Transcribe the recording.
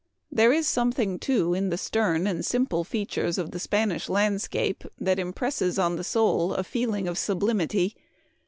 " There is something, too, in the stern and simple features of the Spanish landscape that impresses on the soul a feeling of sublimity.